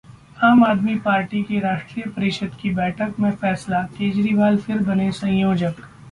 आम आदमी पार्टी की राष्ट्रीय परिषद की बैठक में फैसला, केजरीवाल फिर बने संयोजक